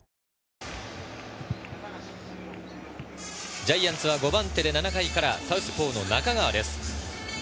ジャイアンツは５番手で７回からサウスポーの中川です。